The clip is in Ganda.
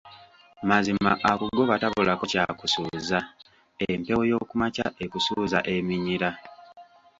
Mazima akugoba tabulako ky'akusuuza, empewo y'okumakya ekusuuza eminyira.